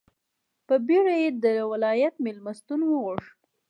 په بېړه یې د ولایت مېلمستون وغوښت.